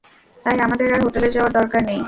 তাই আমাদের আর হোটেলে যাওয়ার দরকার নেই।